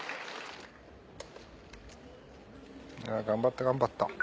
頑張った頑張った。